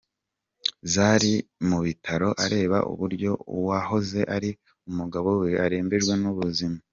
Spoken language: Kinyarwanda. Zari mubitaro areba uburyo uwahoze ari umugabo we arembejwe n’ubuzima.